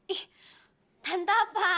ih tante apa